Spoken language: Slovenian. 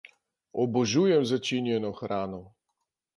Obožujem začinjeno hrano!